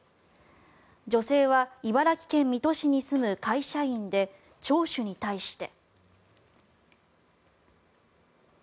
女性は茨城県水戸市に住む会社員で聴取に対して。